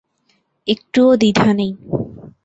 একটুও দ্বিধা নেই।